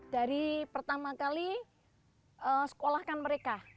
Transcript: dari pertama kali sekolahkan mereka